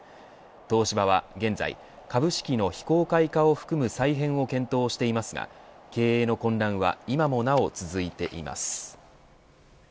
東芝は現在株式の非公開化を含む再編を検討していますが経営の混乱は今もなお続いています。